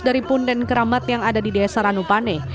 dari punden keramat yang ada di desa ranupane